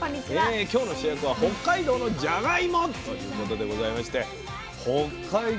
今日の主役は北海道のじゃがいもということでございまして北海道